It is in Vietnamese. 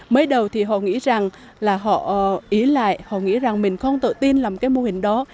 mới đầu thì họ nghĩ rằng là họ ý lại họ nghĩ rằng mình không tự tin làm cái mô hình đó